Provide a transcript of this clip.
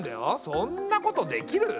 そんなことできる？